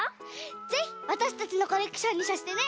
ぜひわたしたちのコレクションにさせてね！